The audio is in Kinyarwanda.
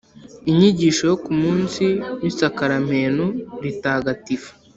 inyigisho yo ku munsi w'isakaramentu ritagatifu